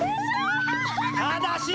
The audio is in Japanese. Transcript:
ただし！